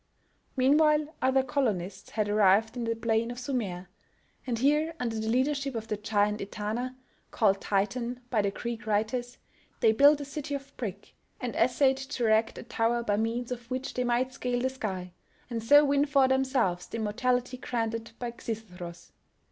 Meanwhile, other colonists had arrived in the plain of Sumer, and here, under the leadership of the giant Etana, called Titan by the Greek writers, they built a city of brick, and essayed to erect a tower by means of which they might scale the sky, and so win for themselves the immortality granted to Xisuthros...